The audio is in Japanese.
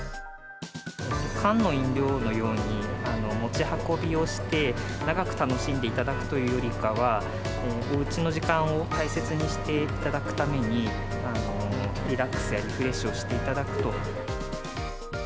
缶の飲料のように、持ち運びをして、長く楽しんでいただくというよりかは、おうちの時間を大切にしていただくために、リラックスやリフレッシュをしていただくと。